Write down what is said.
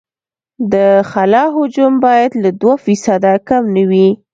د خلا حجم باید له دوه فیصده کم نه وي